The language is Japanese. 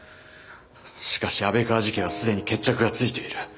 しかし安倍川事件は既に決着がついている。